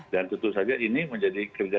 dan tentu saja ini menjadi kerja